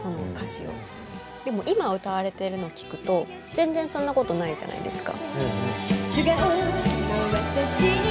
でも今歌われてるの聴くと全然そんなことないじゃないですか。